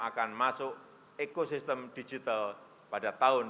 akan masuk ekosistem digital pada tahun dua ribu dua puluh